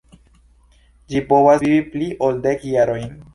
Ĝi povas vivi pli ol dek jarojn.